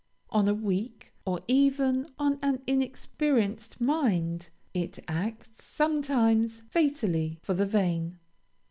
On a weak, or even on an inexperienced mind, it acts, sometimes, fatally for the vain.